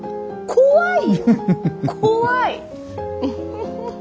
怖い。